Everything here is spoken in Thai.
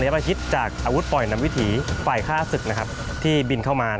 ประฮิตจากอาวุธปล่อยนำวิถีฝ่ายฆ่าศึกนะครับที่บินเข้ามา